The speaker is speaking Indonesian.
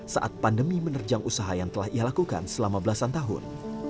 saat pandemi menerjang usaha yang telah ia lakukan selama belasan tahun